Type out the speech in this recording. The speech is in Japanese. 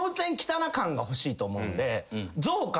欲しいと思うんで。